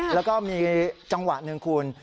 แล้วก็มีจังหวะหนึ่งคุณ